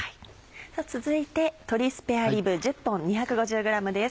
続いて鶏スペアリブ１０本２５０ｇです。